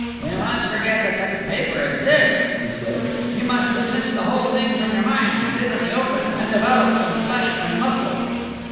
"You must forget that such a paper exists," he said. "You must dismiss the whole thing from your mind, live in the open, and develop some flesh and muscle."